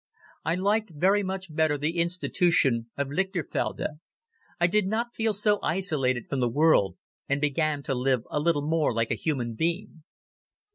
I liked very much better the Institution of Lichterfelde. I did not feel so isolated from the world and began to live a little more like a human being.